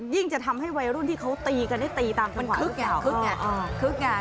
ยิ่งจะทำให้วัยรุ่นที่เขาตีกันตีตามคำถามทุกข่าว